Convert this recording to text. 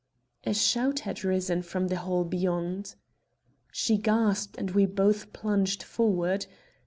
A shout had risen from the hall beyond. She gasped and we both plunged forward.